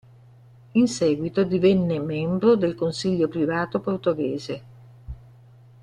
In seguito divenne membro del consiglio privato portoghese.